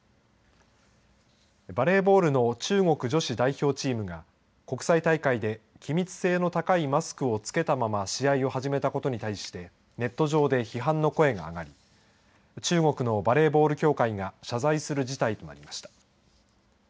バレーボールの中国女子代表チームが国際大会で気密性の高いマスクをつけたまま試合を始めたことに対してネット上で批判の声が上がり中国のバレーボール協会が謝罪する事態となりました。